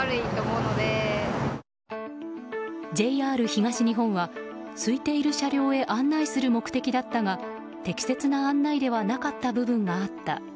ＪＲ東日本は空いている車両へ案内する目的だったが適切な案内ではなかった部分があった。